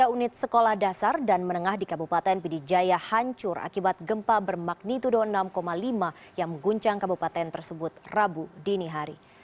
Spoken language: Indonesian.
tiga unit sekolah dasar dan menengah di kabupaten pidijaya hancur akibat gempa bermagnitudo enam lima yang mengguncang kabupaten tersebut rabu dini hari